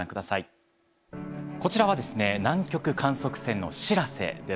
こちらはですね南極観測船の「しらせ」です。